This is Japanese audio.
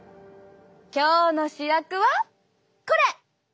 今日の主役はこれ！